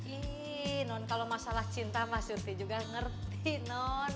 ini non kalau masalah cinta mas yofi juga ngerti non